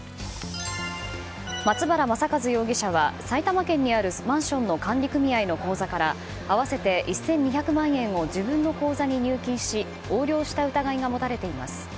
松原昌和容疑者は埼玉県にあるマンションの管理組合の口座から合わせて１２００万円を自分の口座に入金し横領した疑いが持たれています。